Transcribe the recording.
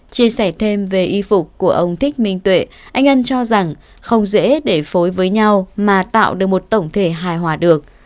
chia sẻ thêm về y phục của ông thích minh tuệ anh ân cho rằng không dễ để phối với nhau mà tạo được một tổng thể hài hòa được